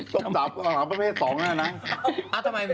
ตบสาวประเภท๒หน้านั้น